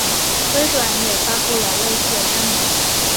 微软也发布了类似的声明。